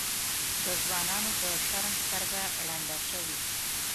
د ځوانانو د شرم سترګه ړنده شوې.